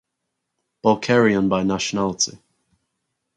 Balkarian by nationality.